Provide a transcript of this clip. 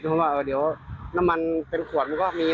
ถึงผมว่าเดี๋ยวน้ำมันเป็นขวดนึกว่ามีนะ